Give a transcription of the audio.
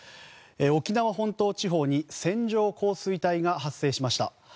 沖縄本島地方に線状降水帯が発生しました。